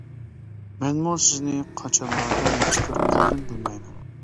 مەنمۇ سىزنى قاچانلاردا ياخشى كۆرۈپ قالدىم بىلمەيمەن.